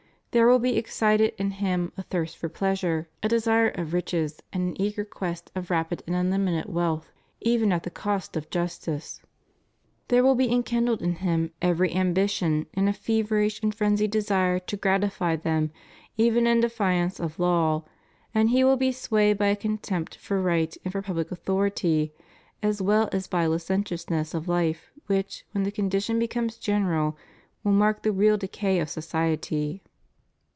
There will be excited in him a thirst for pleasure, a desire of riches, and an eager quest of rapid and un limited wealth, even at the cost of justice. There will be enkindled in him every ambition and a feverish and frenzied desire to gratify them even in defiance of law, and he will be swayed by a contempt for right and for public authority, as well as by Ucentiousness of hfe which, when the condition becomes general, will mark the real decay of society.